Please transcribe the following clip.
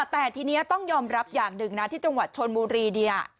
แต่ทีนี้ต้องยอมรับอย่างหนึ่งนะที่จังหวัดชนบุรีเนี่ย